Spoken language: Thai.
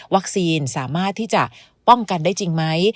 สามารถที่จะป้องกันได้จริงไหม